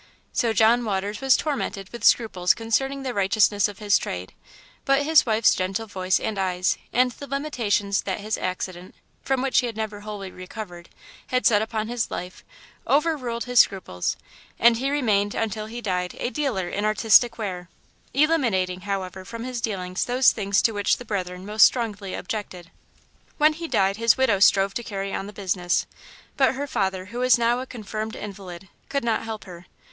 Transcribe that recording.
So John Waters was tormented with scruples concerning the righteousness of his trade, but his wife's gentle voice and eyes, and the limitations that his accident, from which he had never wholly recovered, had set upon his life, overruled his scruples, and he remained until he died a dealer in artistic ware, eliminating, however, from his dealings those things to which the Brethren most strongly objected. When he died his widow strove to carry on the business, but her father, who was now a confirmed invalid, could not help her.